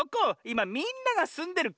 いまみんながすんでる